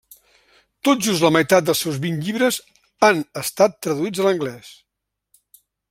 Tot just la meitat dels seus vint llibres han estat traduïts a l'anglès.